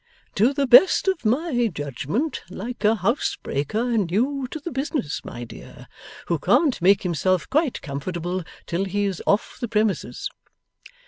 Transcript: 'To the best of my judgement, like a housebreaker new to the business, my dear, who can't make himself quite comfortable till he is off the premises.